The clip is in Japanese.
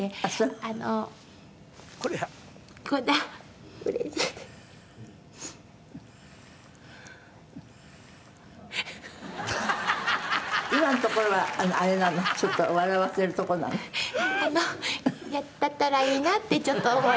あのだったらいいなってちょっと思いました。